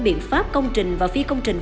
biện pháp công trình và phi công trình